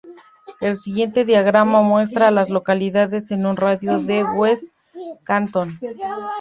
El siguiente diagrama muestra a las localidades en un radio de de West Canton.